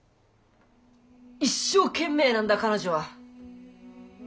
一生懸命なんだ彼女は。